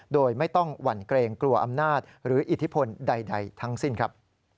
โดยไม่ต้องหวั่นเกรงกลัวอำนาจหรืออิทธิพลใดทั้งสิ้นครับ